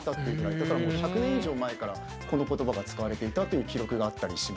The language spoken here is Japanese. だから１００年以上前からこの言葉が使われていたという記録があったりします。